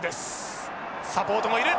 サポートもいる！